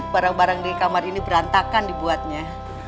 barang barang di kamar ini berantakan dibuatnya